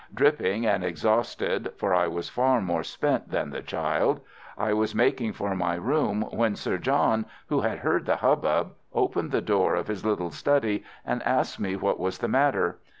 Dripping and exhausted—for I was far more spent than the child—I was making for my room when Sir John, who had heard the hubbub, opened the door of his little study and asked me what was the matter.